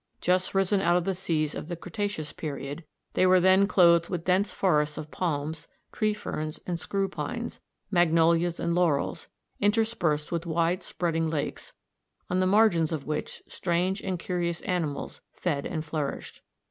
Just risen out of the seas of the Cretaceous Period, they were then clothed with dense forests of palms, tree ferns, and screw pines, magnolias and laurels, interspersed with wide spreading lakes, on the margins of which strange and curious animals fed and flourished.